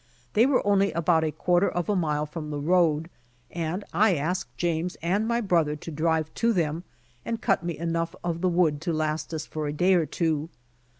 They were only about a quarter of a mile from the road, and I asked James and my brother to drive to them, and cut me enough of the wood to last us for a day or two.